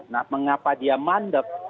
nah mengapa dia mandep